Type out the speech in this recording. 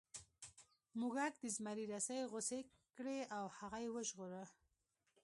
موږک د زمري رسۍ غوڅې کړې او هغه یې وژغوره.